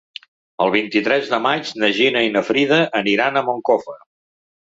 El vint-i-tres de maig na Gina i na Frida aniran a Moncofa.